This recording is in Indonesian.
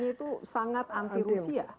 itu anti rusia